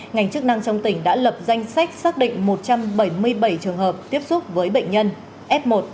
ngành chức năng trong tỉnh đã lập danh sách xác định một trăm bảy mươi bảy trường hợp tiếp xúc với bệnh nhân f một